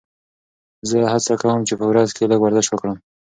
زه هڅه کوم چې په ورځ کې لږ ورزش وکړم.